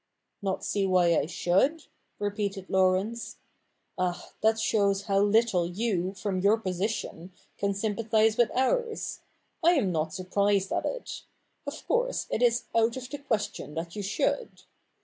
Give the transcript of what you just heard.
' Not see why I should ?' repeated Laurence. ' Ah, that shows how little you, from your position, can sympathise with ours. I am not surprised at it. Of course it is out of the question that you should.